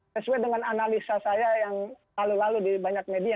sesuai dengan analisa saya yang lalu lalu di banyak media